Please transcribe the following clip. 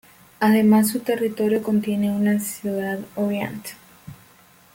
Además, su territorio contiene una ciudad, Orient.